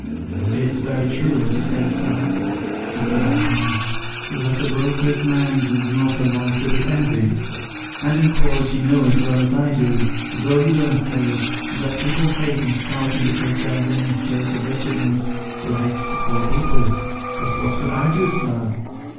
"It's very true, as you say, sir," Mr. Bung commenced, "that a broker's man's is not a life to be envied ; and in course you know as well as I do, though you don't say it, that people hate and scout 'em because they're the ministers of wretchedness, like, to poor people. But what could I do, sir